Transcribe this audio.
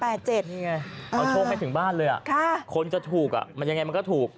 เอาโชคไม่ถึงบ้านเลยคนจะถูกมันยังไงมันก็ถูก